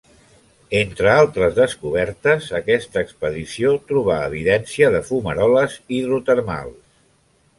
Entre altres descobertes, aquesta expedició trobà evidència de fumaroles hidrotermals.